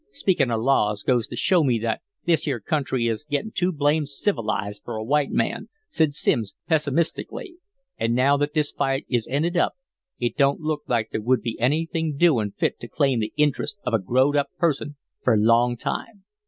"Speakin' of laws goes to show me that this here country is gettin' too blamed civilized for a white man," said Simms, pessimistically, "and now that this fight is ended up it don't look like there would be anything doin' fit to claim the interest of a growed up person for a long while.